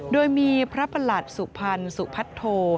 โดยมีพระประหลัดสุพรรณสุพัทโธ